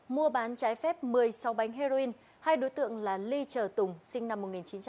mua bán trái phép một mươi sao bánh heroin hai đối tượng là ly trờ tùng sinh năm một nghìn chín trăm tám mươi tám